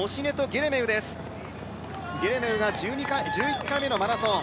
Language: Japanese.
ゲレメウが１１回目のマラソン。